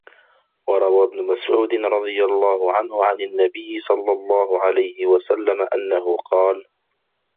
وَرَوَى ابْنُ مَسْعُودٍ رَضِيَ اللَّهُ عَنْهُ عَنْ النَّبِيِّ صَلَّى اللَّهُ عَلَيْهِ وَسَلَّمَ أَنَّهُ قَالَ